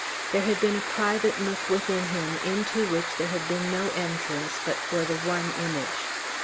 There had been a private nook within him into which there had been no entrance but for the one image.